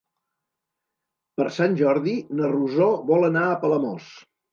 Per Sant Jordi na Rosó vol anar a Palamós.